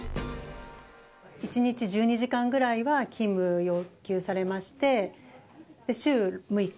１日１２時間ぐらいは、勤務要求されまして、週６日、